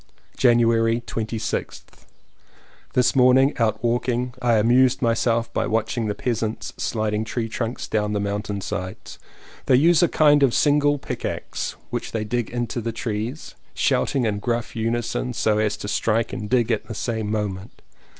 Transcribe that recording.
January 26th. This morning out walking I amused my self by watching the peasants sliding tree trunks down the mountain sides. They use a kind of single pick axe, which they dig into the trees, shouting in gruff unison so as to strike and dig at the same moment.